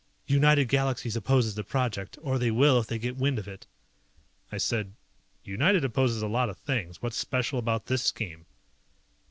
"United Galaxies opposes the project. Or they will if they get wind of it." I said, "United opposes a lot of things, what's special about this scheme?"